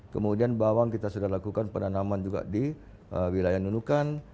kemudian bawang kita sudah lakukan penanaman juga di wilayah nunukan